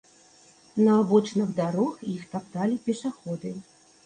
На абочынах дарог іх тапталі пешаходы.